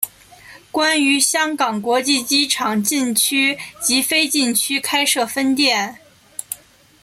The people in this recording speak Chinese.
并于香港国际机场禁区及非禁区开设分店。